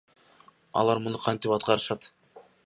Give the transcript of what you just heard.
Алар муну кантип аткарышат?